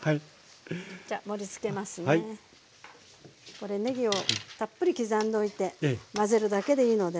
これねぎをたっぷり刻んでおいて混ぜるだけでいいのでね